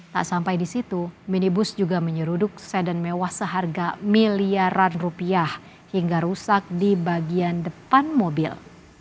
tak sampai di situ minibus juga menyeruduk sedan mewah seharga miliaran rupiah hingga rusak di bagian depan mobil